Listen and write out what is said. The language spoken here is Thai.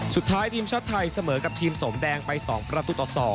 สุดท้ายทีมชาติไทยเสมอกับทีมสมแดงไป๒ประตูต่อ๒